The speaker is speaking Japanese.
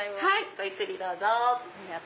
ごゆっくりどうぞ。